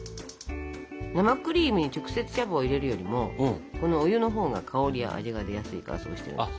生クリームに直接茶葉を入れるよりもこのお湯のほうが香りや味が出やすいからそうしてます。